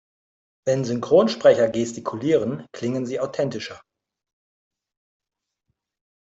Wenn Synchronsprecher gestikulieren, klingen sie authentischer.